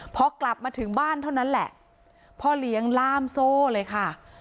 พอกลับมาถึงบ้านเท่านั้นแหละพ่อเลี้ยงล่ามโซ่เลยค่ะ